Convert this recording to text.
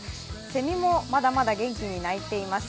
せみもまだまだ元気に鳴いています。